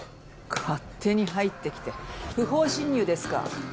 勝手に入ってきて不法侵入ですか？